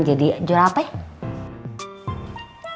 jadi juara apa ya